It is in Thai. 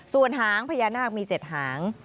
ส่วนหางพญานาคมี๗หาง